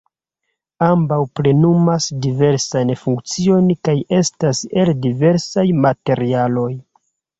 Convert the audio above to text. Ambaŭ plenumas diversajn funkciojn kaj estas el diversaj materialoj.